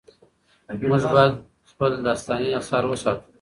موږ باید خپل داستاني اثار وساتو.